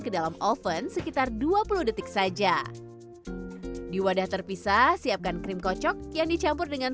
ke dalam oven sekitar dua puluh detik saja di wadah terpisah siapkan krim kocok yang dicampur dengan